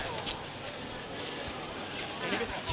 สวัสดีครับ